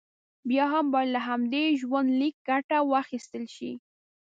بیا هم باید له همدې ژوندلیکه ګټه واخیستل شي.